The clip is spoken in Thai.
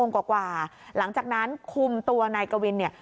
โมงกว่าหลังจากนั้นคุมตัวนายกวินเนี่ย